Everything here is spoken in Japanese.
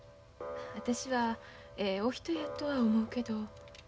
私はええお人やとは思うけど。